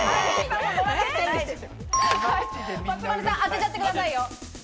松丸さん、当てちゃってくださいよ！